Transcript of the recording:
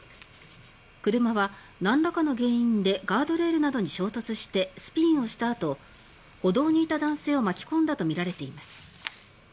車は、何らかの原因でガードレールなどに衝突してスピンをした後歩道にいた男性を巻き込んだとみられています。